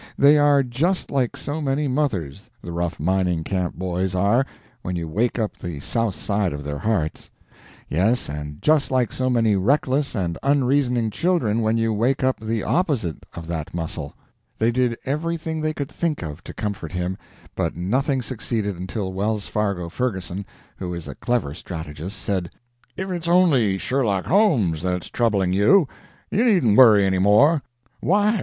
They are just like so many mothers, the rough mining camp boys are, when you wake up the south side of their hearts; yes, and just like so many reckless and unreasoning children when you wake up the opposite of that muscle. They did everything they could think of to comfort him, but nothing succeeded until Wells Fargo Ferguson, who is a clever strategist, said, "If it's only Sherlock Holmes that's troubling you, you needn't worry any more." "Why?"